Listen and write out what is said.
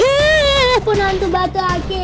eh pun nanti batu ake